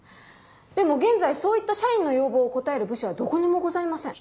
でも現在そういった社員の要望を応える部署はどこにもございません。